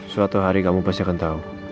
suatu hari kamu pasti akan tahu